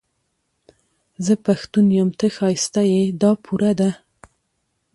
زه پښتون يم، ته ښايسته يې، دا پوره ده